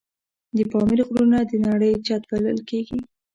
د پامیر غرونه د نړۍ چت بلل کېږي.